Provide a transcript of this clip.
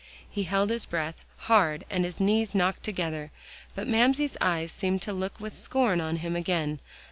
He held his breath hard and his knees knocked together. But Mamsie's eyes seemed to look with scorn on him again.